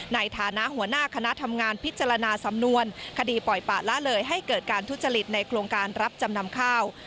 ในฐานะหัวหน้าคณะทำงานพิจารณาสำนวนคดีปล่อยปะละเลยให้เกิดการทุจริตในโครงการรับจำนำข้าว